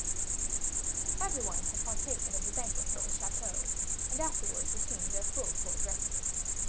Every one had partaken of the banquet at the chateau, and afterwards assumed their full court dresses.